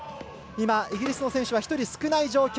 イギリスの選手は１人少ない状況。